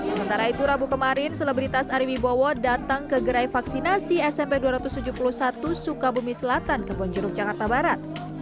sementara itu rabu kemarin selebritas ari wibowo datang ke gerai vaksinasi smp dua ratus tujuh puluh satu sukabumi selatan ke bonjuruk jakarta barat